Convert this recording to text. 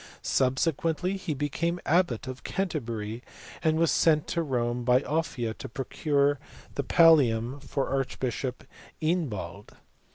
Subsequently he became abbot of Canterbury, and was sent to Rome by Offa to procure the pallium for archbishop Eanbald.